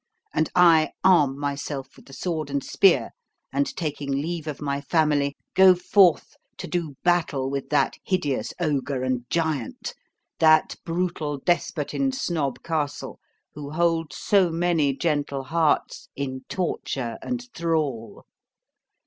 And I arm myself with the sword and spear, and taking leave of my family, go forth to do battle with that hideous ogre and giant, that brutal despot in Snob Castle, who holds so many gentle hearts in torture and thrall.